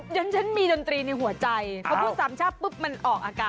ฉันมีดนตรีในหัวใจพอพูดสามชาติปุ๊บมันออกอาการ